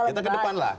kita lebih bahas